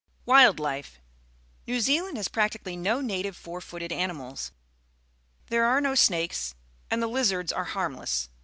Wild Life. — New Zealand has practically no native four footed animals . There are no snakes, and the Uzar ds are harmless.